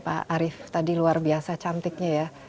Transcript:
pak arief tadi luar biasa cantiknya ya